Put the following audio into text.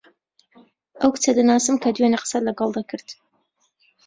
ئەو کچە دەناسم کە دوێنێ قسەت لەگەڵ دەکرد.